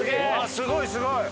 すごいすごい！